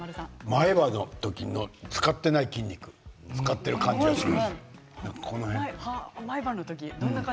前歯の時の使ってない筋肉を使っている感じがする。